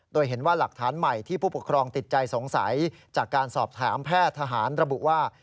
โดยเห็นว่าหลักฐานใหม่ที่ผู้ปกครองติดใจสงสัยจากการสอบถามแพทย์ทหารระบุว่า